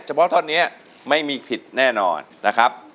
พ่อท่อนนี้ไม่มีผิดแน่นอนนะครับ